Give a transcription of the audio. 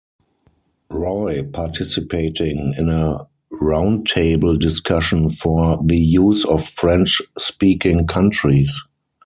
Roy, participating in a roundtable discussion for the use of French-speaking countries.